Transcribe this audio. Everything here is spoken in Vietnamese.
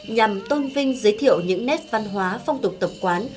nhằm tôn vinh giới thiệu những nét văn hóa phong tục tập quán